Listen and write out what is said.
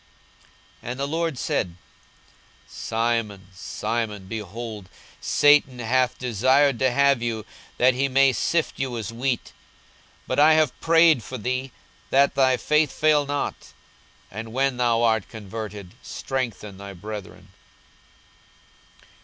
42:022:031 And the Lord said, Simon, Simon, behold, Satan hath desired to have you, that he may sift you as wheat: 42:022:032 But I have prayed for thee, that thy faith fail not: and when thou art converted, strengthen thy brethren.